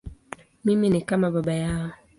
Mimi ni kama baba yao.